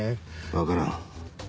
わからん。